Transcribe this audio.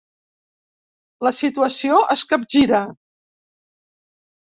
La situació es capgira.